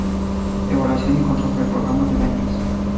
Evaluación y Control del programa de ventas.